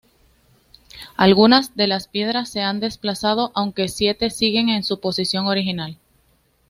Algunas de las piedras se han desplazado aunque siete siguen en su posición original.